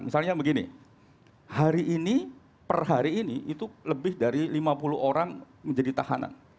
misalnya begini hari ini per hari ini itu lebih dari lima puluh orang menjadi tahanan